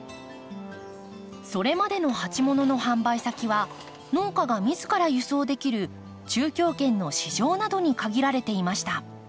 それまでの鉢物の販売先は農家が自ら輸送できる中京圏の市場などに限られていました。